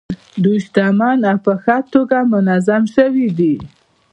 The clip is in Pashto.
دوی شتمن او په ښه توګه منظم شوي دي.